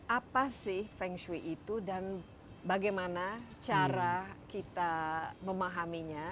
apa sih feng shui itu dan bagaimana cara kita memahaminya